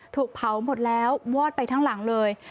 ถูกเผาหมดแล้ววอดไปทั้งหลังเลย